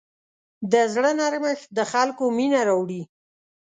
د زړه نرمښت د خلکو مینه راوړي.